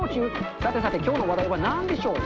さてさて、きょうの話題は何でしょう？